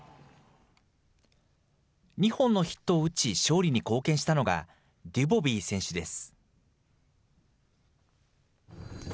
２本のヒットを打ち、勝利に貢献したのが、ドゥボビー選手です。